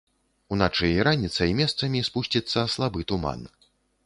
Уначы і раніцай месцамі спусціцца слабы туман.